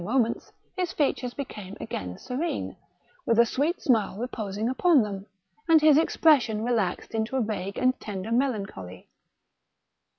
moments, his features became again serene, with a sweet smile reposing upon them, and his expression relaxed into a vague and tender melancholy.